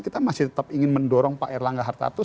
kita masih tetap ingin mendorong pak erlangga hartarto